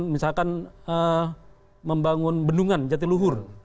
misalkan membangun bendungan jatiluhur